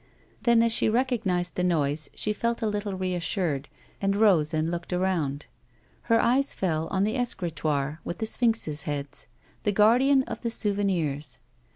Then, as she recognised the noise, she felt a little reassured, and rose and looked around. Her eyes fell on the escritoire with the sphinxes' heads, the guardian of 158 A WOMAN'S LIFE. the ''souvenirs."